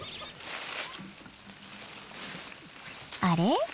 あれ？